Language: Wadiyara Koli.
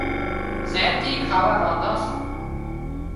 زين ٿِي کاوا رانڌان سان